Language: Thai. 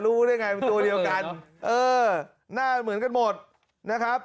รู้ได้ไงเป็นตัวเดียวกันเออหน้าเหมือนกันหมดนะครับ